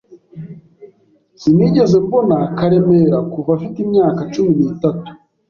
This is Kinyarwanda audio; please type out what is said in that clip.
Sinigeze mbona Karemera kuva afite imyaka cumi n'itatu.